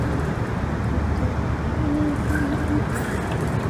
আইএসের দাবি, খ্রিষ্টধর্মে ধর্মান্তরিত হওয়ার কারণে সমীর মণ্ডলকে হত্যা করা হয়েছে।